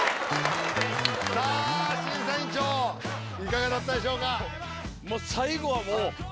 さあ審査委員長いかがだったでしょうか？